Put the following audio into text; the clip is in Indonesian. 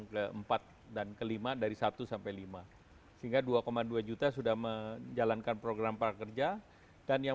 keempat dan kelima dari satu sampai lima sehingga dua dua juta sudah menjalankan program prakerja dan yang